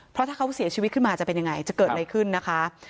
เพราะถ้าเขาเสียชีวิตขึ้นมาจะเป็นยังไงจะเกิดอะไรขึ้นนะคะ